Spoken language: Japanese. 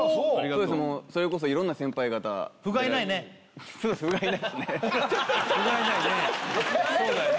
そうですそれこそ色んな先輩方不甲斐ないですね